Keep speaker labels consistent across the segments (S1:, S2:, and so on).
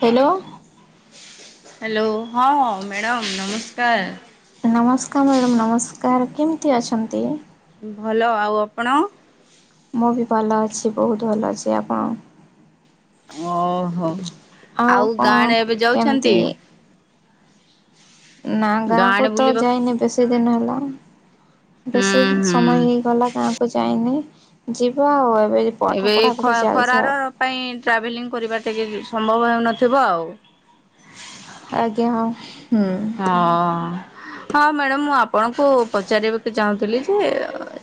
S1: Hello.
S2: Hello ହଁ madam ନମସ୍କାର।
S1: ନମସ୍କାର ମ୍ୟାଡ଼ମ୍ ନମସ୍କାର କେମିତି ଅଛନ୍ତି?
S2: ଭଲ ଆଉ ଆପଣ?
S1: ମୁଁ ବି ଭଲ ଅଛି ବହୁତ ଭଲ ଅଛି ଆପଣ
S2: ଓହୋ। ଆଉ ଗାଁ ଆଡେ ଏବେ ଯାଉଛନ୍ତି?
S1: କେମିତି ନା
S2: ଗାଁଆଡେ
S1: ଗାଁକୁ ତ
S2: ବୁଲିବାକୁ
S1: ଯାଇନି ବେଶୀ ଦିନ ହେଲା
S2: ହୁଁ
S1: ବେଶୀ
S2: ହୁଁ।
S1: ସମୟ ହେଇଗଲା ଗାଁକୁ ଯାଇନି। ଯିବ ଆଉ ଏବେ ପାଠ
S2: ଏବେ ଏ
S1: ପଢ଼ାପଢ଼ି ଚାଲିଛି
S2: ଖରାର
S1: ଆଉ
S2: ପାଇଁ ଟ୍ରାଭେଲିଂ କରିବା [unintelligible] ସମ୍ଭବ ହେଉନଥିବ ଆଉ।
S1: ଆଜ୍ଞା ହଁ ହୁଁ।
S2: ହଁ। ହଁ ମ୍ୟାଡ଼ାମ ମୁଁ ଆପଣଙ୍କୁ ପଚାରିବାକୁ ଚାହୁଁଥିଲି ଯେ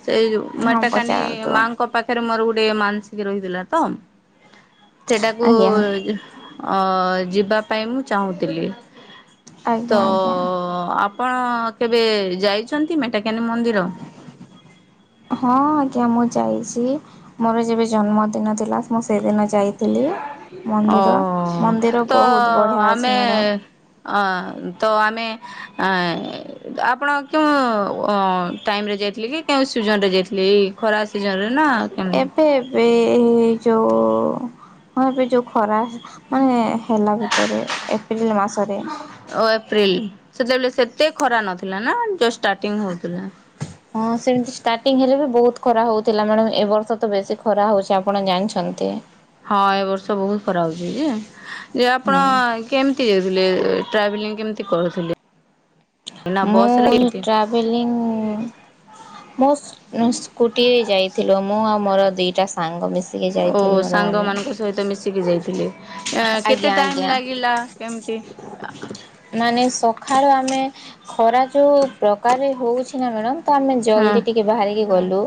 S2: ସେଇ ଯୋଉ
S1: ହଁ
S2: ମଟାକାନୀ
S1: ପଚାରନ୍ତୁ
S2: ମାଆଙ୍କ ପାଖରେ ମୋର ଗୋଟେ ଗୋଟେ ମାନସିକ ରହିଥିଲା ତ। ସେଟାକୁ
S1: ଆଜ୍ଞା
S2: ଅ ଯିବା ପାଇଁ ମୁଁ ଚାହୁଁଥିଲି। ତ
S1: ଆଜ୍ଞା ଆଜ୍ଞା।
S2: ଆ ଆପଣ କେବେ ଯାଇଛନ୍ତି ମେଟା
S1: ହଁ ଆଜ୍ଞା ମୁଁ ଯାଇଛି ମୋର ଯେବେ ଜନ୍ମଦିନ ଥିଲା ମୁଁ ସେଇଦିନ ଯା
S2: ଓ ହୋ
S1: ମନ୍ଦିର
S2: ତ
S1: ବହୁତ ବଢ଼ିଆ ଅଛି
S2: ଆମେ
S1: ମ୍ୟାଡ଼ାମ୍।
S2: ଅ ତ ଆମେ ଆପଣ କେଉଁ ଟାଇମ ରେ ଯାଇଥିଲେ କି କେଉଁ ସିଜନ ରେ ଯାଇଥିଲେ ଏ ଖରା ସିଜନ ରେ
S1: ଏବେ ଏବେ। ଯୋଉ ହ ଏବେ ଯୋଉ ଖରା। ମାନେ ହେଲା ଭିତରେ ଏପ୍ରିଲ ମାସରେ।
S2: ପ୍ରିଲ ସେତେବେଳେ ସେତେ ଖରା ନଥିଲା ନା ଜଷ୍ଟ ଷ୍ଟାର୍ଟିଂ ହଉଥିଲା।
S1: ହଁ ସେମିତି ଷ୍ଟାର୍ଟିଂ ହେଲେ ବି ବହୁତ ଖରା ହଉଥିଲା ମ୍ୟାଡାମ ଏ ବର୍ଷ ତ ବେଶୀ ଖରା ହଉଛି ଆପଣ ଜାଣିଛନ୍ତି।
S2: ହଁ ଏ ବର୍ଷ ବହୁତ ଖରା ହଉଛି ଯେ ଯେ ଆପଣ
S1: ହୁଁ
S2: କେମିତି ଯାଇଥିଲେ? ଟ୍ରାଭେଲିଂ କେମିତି କରୁଥିଲେ? ନା ବସରେ
S1: ମୁଁ
S2: କେମିତି?
S1: ଟ୍ରାଭେଲିଂ ମୁଁ ସ୍କୁ-ସ୍କୁଟିରେ ଯାଇଥିଲୁ ମୁଁ ଆଉ ମୋର ଦି ଟା ସାଙ୍ଗ ମିଶି।
S2: ଓହୋ ସାଙ୍ଗମାନଙ୍କ ସହିତ ମିଶିକି ଯାଇଥିଲେ। ଏ କେତେ
S1: ଆଜ୍ଞା
S2: ଟାଇମ
S1: ଆଜ୍ଞା
S2: ଲାଗିଲା କେମତି ଆ ଆ
S1: ମାନେ ସଖାଳୁ ଆମେ ଖରା ଯୋଉ ପ୍ରକାରରେ ହଉଛି ନା ମ୍ୟାଡମ। ତ ଆମେ
S2: ହଁ
S1: ଜଲ୍ଦି ଟିକେ ବାହାରିକି ଗଲୁ,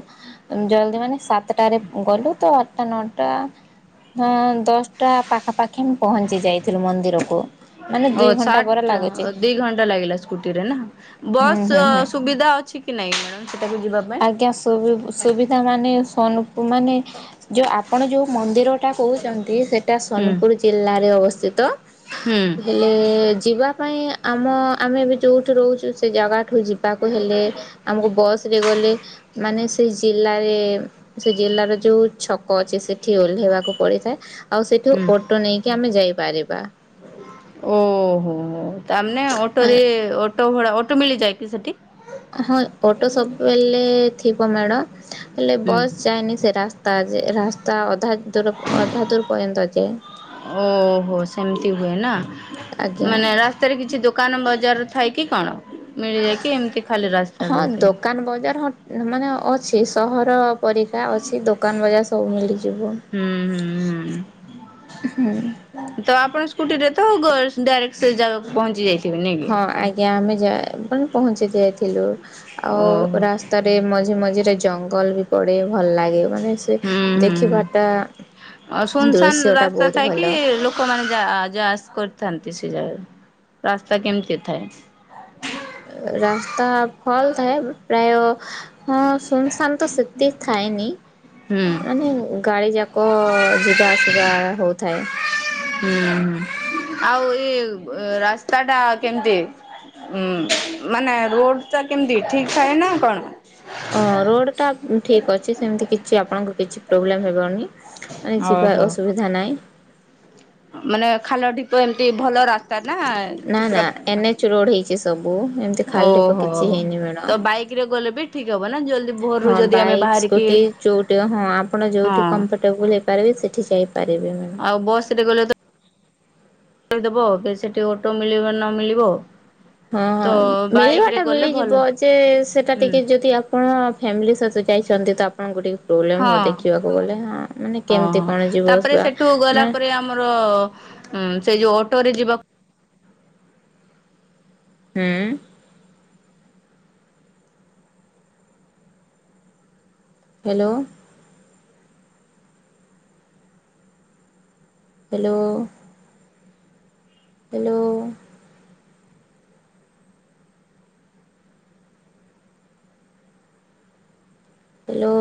S1: ଜଲ୍ଦି ମାନେ ସାତଟାରେ ଗଲୁ ତ ଆଠଟା ନଅଟା ଟା ହଁ ଦଶଟା ପାଖାପା ଖିନ ପହଞ୍ଚି ଯାଇଥିଲୁ ମନ୍ଦିରକୁ ମାନେ ଦୁଇ ଘଣ୍ଟ
S2: ଆଟ ଦି ଘଣ୍ଟା ଲାଗିଲା ସ୍କୁଟିରେ ନା
S1: ହୁଁ
S2: ବସ୍
S1: ହୁଁ ହୁଁ।
S2: ସ-ସୁବିଧା ଅଛି କି ନାଇଁ ମ୍ୟାଡମ୍ ସେଠାକୁ ଯିବା ପାଇଁ?
S1: ଆଜ୍ଞା ସୁବିଧା ମାନେ ସୋନପୁର ମାନେ ଯେଉଁ ଆପଣ ଯେଉଁ ମନ୍ଦିରଟା କହୁଛନ୍ତି ସେଇଟା
S2: ହୁଁ
S1: ସୋନପୁର ଜିଲ୍ଲାରେ ଅବସ୍ଥିତ,
S2: ହୁଁ
S1: ହେଲେ ପାଇଁ ଆମ ଆମେ ଏବେ ଯୋଉଠି ରହୁଚୁ ସେ ଜାଗା ଏଠୁ ଯିବାକୁ ହେଲେ ଆମୁକୁ ବସ୍ ରେ ଗଲେ ମାନେ ସେ ଜିଲ୍ଲାରେ ସେ ଜିଲ୍ଲାର ଯୋଉ ଛକ ଅଛି ସେଠି ଓହ୍ଲେଇବାକୁ ପଡିଥାଏ ଆଉ ସେଠୁ
S2: ହୁଁ।
S1: ଅଟୋ ନେଇକି ଆମେ ଯାଇପାରିବା।
S2: ତା ମାନେ ଅଟୋରେ ଅ ସବୁବେଳେ ଅଟୋ ମିଳିଯାଏ କି ସେଠି?
S1: ହଁ ଅଟୋ ସବୁବେଲେ ଟିପ ମେଡ଼ ହେଲେ
S2: ହୁଁ
S1: ବସ୍ ଯାଏନି ସେ ରାସ୍ତା ଯେ ରାସ୍ତା ଅଧା ଦୂର ଅଧା ଦୂର ପଯ୍ୟନ୍ତ ଯାଏ
S2: ଓହୋ ସେମିତି ହୁଏ ନା।
S1: ଆଜ୍ଞା।
S2: ଥାଇକି କଣ? ମିଳିଯାଏ କି ଏମିତି ଖାଲି ରାସ୍ତା
S1: ହଁ
S2: ରହିଥାଏ ହୁଁ
S1: ଦୋକାନ ବଜାର ହ ମାନେ ଅଛି। ସହର ପରୀକ୍ଷା ଅଛି ଦୋକାନ ବଜାର ସବୁ ସବୁ ମିଳିକି
S2: ହୁଁ ହୁଁ ତ ଆପଣ ସ୍କୁଟିରେ ତ ଡାଇରେକ୍ଟ ସେ ଯାଗକୁ ପହଞ୍ଚିଯାଇଛି।
S1: ହଁ ଆଜ୍ଞା ଆମେ ଯ ମାନେ ପହଞ୍ଚି ଯାଇଥିଲୁ
S2: ଓହୋ
S1: ଆଉ ରାସ୍ତାରେ ମଝି ମଝି ସେଟା ଜଙ୍ଗଲ ବି ପଡେ ଭଲ ଲାଗେ। ମାନେ ସେ
S2: ହୁଁ
S1: ଦେଖିବାଟା
S2: ହୁଁ ସୁନସାନ୍
S1: ଦୃଶ୍ୟଟା
S2: ରାସ୍ତା
S1: ବହୁତ
S2: ଥାଇକି
S1: ଭଲ।
S2: ଲୋକମାନେ ଯ ଯା କରିଥାନ୍ତି ସେ ଜାଗାରେ ରାସ୍ତା କେମିତି ଥାଏ?
S1: ରାସ୍ତା ଫଲ ଥାଏ ପ୍ରାୟ ହଁ ସୁନସାନ ତ ସେତିକି ଥାଏନି
S2: ହୁଁ
S1: ମାନେ ଗାଡି ଯାକ ଲୋକ ଯିବା ଆସିବା ହଉଥାଏ।
S2: ହୁଁ ହୁଁ ଆଉ ଏଇ ରାସ୍ତା ଟା କେମିତି ଉ ମାନେ ରୋଡ ଟା କେମିତି ଠିକ୍ ଥାଏ ନା କଣ?
S1: ଅଁ ରୋଡ ଟା ଠିକ ଅଛି ସେମତି କିଛି। କିଛି ଆପଣଙ୍କ କିଛି ପ୍ରୋବ୍ଲେମ୍ ହେବନି। ମାନେ ଜିବାାର
S2: ଓହୋ
S1: ଅସୁବିଧା ନାଇଁ।
S2: ମାନେ ଖାଲ ଢିପ ଏମିତି ଭଲ ରା
S1: ନା ନା ଏନ-ଏଚ ରୋଡ ହେଇଛି ସବୁ ଏମିତି ଖାଲି
S2: ଓହୋ
S1: କିଛି ହେଇନି
S2: ତ ବାଇକ ରେ ଗଲେ ବି ଠିକ ହବ ନା ଜଲ୍ଦି
S1: ମ୍ୟାଡ
S2: ଭୋରରୁ
S1: ହଁ
S2: ଯଦି ଆମେ
S1: ବାଇକ୍
S2: ବାହାରିକି
S1: ସ୍କୁଟି ଯୋଉଠି ହଁ ଆପଣ ଯୋଉଠି
S2: ହଁ
S1: କମ୍ଫର୍ଟେବୁଲ ହେଇପାରିବେ ସେ ଠି ସେଇ
S2: ଆଉ ବସରେ ଗଲେ ତ ଦବ କି ସେଠି ଅଟୋ ମିଳିବ ନ ମିଳିବ।
S1: ହଁ
S2: ତ
S1: ହଁ
S2: ବାଇକ
S1: ମିଳିବା
S2: ରେ
S1: ଟା
S2: ଗଲେ ଭଲ
S1: ମିଳିଯିବ ଯେ ସେଟା
S2: ହୁଁ
S1: ଟିକେ ଯଦି ଆପଣ ଫ୍ୟାମିଲି ସହିତ ଯାଇଛନ୍ତି ତ। ହଁ ଗୁଡ଼ିକ ପ୍ରୋବ୍ଲେମ୍
S2: ହଁ
S1: ହବ ଦେଖିବାକୁ ଗଲେ
S2: ହଁ
S1: କେମିତି
S2: ହ
S1: କଣ ଯିବ
S2: ତାପରେ
S1: ବା
S2: ସେଠୁ ଗଲା
S1: ମା
S2: ପରେ ଆମର ଉ ସେ ଯୋଉ। ଷ୍ଟୋରେ ଯିବ।
S1: ହୁଁ ହ୍ୟାଲୋ ହ୍ୟାଲୋ ହ୍ୟାଲୋ ହ୍ୟାଲୋ